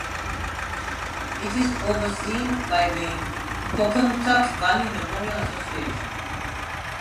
It is overseen by the Pocumtuck Valley Memorial Association.